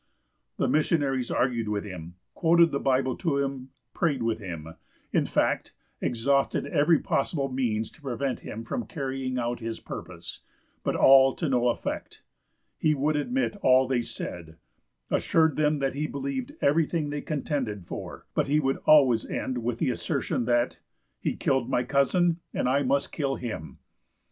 The missionaries argued with him, quoted the Bible to him, prayed with him, in fact, exhausted every possible means to prevent him carrying out his purpose; but all to no effect. He would admit all they said, assured them that he believed everything they contended for, but he would always end with the assertion that, "He killed my cousin, and I must kill him."